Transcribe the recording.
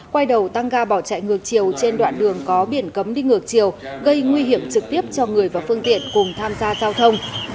quay đầu tăng ga bỏ chạy ngược chiều trên đoạn đường có biển cấm đi ngược chiều gây nguy hiểm trực tiếp cho người và phương tiện cùng tham gia giao thông